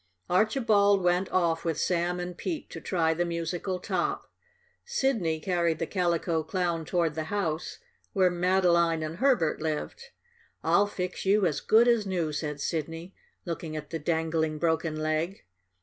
Archibald went off with Sam and Pete to try the musical top. Sidney carried the Calico Clown toward the house where Madeline and Herbert lived. "I'll fix you as good as new," said Sidney, looking at the dangling, broken leg.